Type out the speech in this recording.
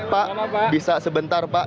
pak bisa sebentar pak